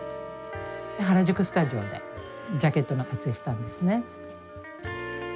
原宿スタジオでジャケットの撮影したんですね。